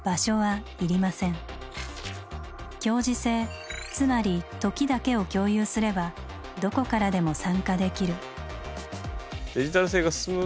「共時性」つまり「時」だけを共有すればどこからでも参加できる。